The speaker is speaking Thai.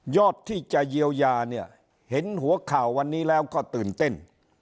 อดที่จะเยียวยาเนี่ยเห็นหัวข่าววันนี้แล้วก็ตื่นเต้น